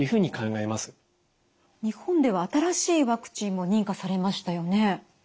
日本では新しいワクチンも認可されましたよね？